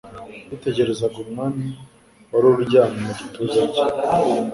yitegerezaga Umwana, wari uryamye mu gituza cye,